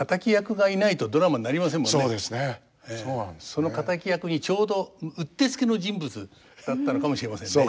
その敵役にちょうどうってつけの人物だったのかもしれませんね。